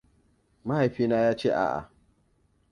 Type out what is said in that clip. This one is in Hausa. Mahaifina ya ce a'a.